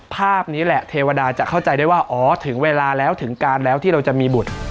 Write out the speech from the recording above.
ภาพนี้แหละเทวดาจะเข้าใจได้ว่าอ๋อถึงเวลาแล้วถึงการแล้วที่เราจะมีบุตร